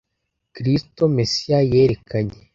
kristo, mesiya yerekanye,